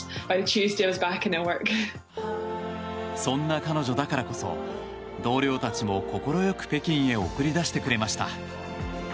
そんな彼女だからこそ同僚たちも、快く北京へ送り出してくれました。